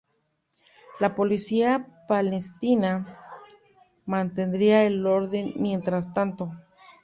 La policía palestina mantendría el orden mientras tanto.